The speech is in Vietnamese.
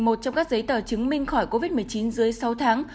một trong các giấy tờ chứng minh khỏi covid một mươi chín dưới sáu tháng